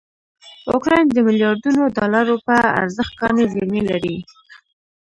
اوکراین دمیلیاردونوډالروپه ارزښت کاني زېرمې لري.